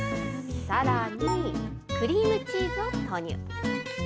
さらに、クリームチーズを投入。